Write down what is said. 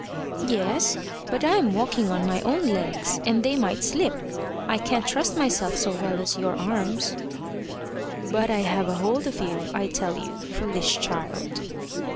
"Yes; but I'm walking on my own legs, and they might slip. I can't trust myself so well as your arms." "But I have a hold of you, I tell you, foolish child."